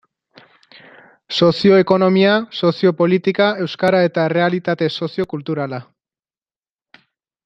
Sozio-ekonomia, sozio-politika, euskara eta errealitate sozio-kulturala.